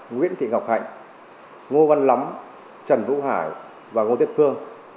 nguyễn thị ngọc hạnh ngô văn lắm trần vũ hải và ngô tuyết phương